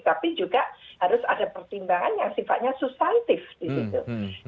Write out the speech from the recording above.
tapi juga harus ada pertimbangan yang sifatnya sustantif di situ